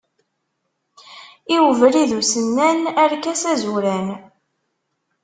I ubrid usennan, arkas azuran.